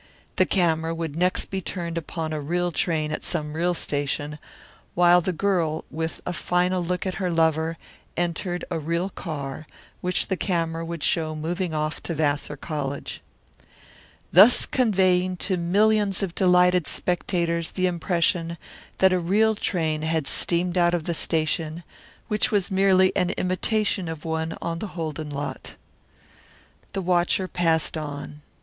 The camera would next be turned upon a real train at some real station, while the girl, with a final look at her lover, entered a real car, which the camera would show moving off to Vassar College. Thus conveying to millions of delighted spectators the impression that a real train had steamed out of the station, which was merely an imitation of one, on the Holden lot. The watcher passed on.